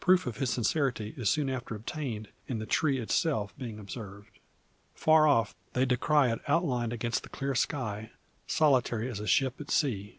Proof of his sincerity is soon after obtained in the tree itself being observed. Far off they descry it outlined against the clear sky, solitary as a ship at sea.